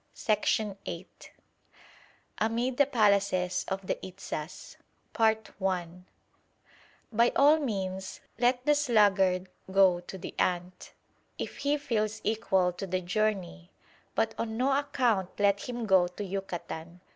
CHAPTER VI AMID THE PALACES OF THE ITZAS By all means let the sluggard go to the ant, if he feels equal to the journey; but on no account let him go to Yucatan.